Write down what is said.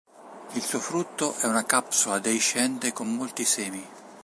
Il suo frutto è una capsula deiscente con molti semi.